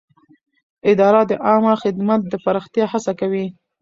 اداره د عامه خدمت د پراختیا هڅه کوي.